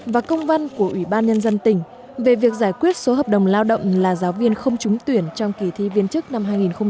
và công văn của ủy ban nhân dân tỉnh về việc giải quyết số hợp đồng lao động là giáo viên không trúng tuyển trong kỳ thi viên chức năm hai nghìn một mươi chín